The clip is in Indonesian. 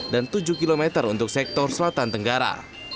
dan tujuh km untuk sektor selatan tenggara